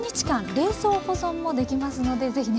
冷蔵保存もできますので是非ね